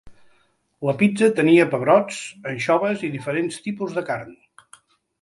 La pizza tenia pebrots, anxoves i diferents tipus de carn.